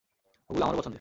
ওগুলো আমারও পছন্দের।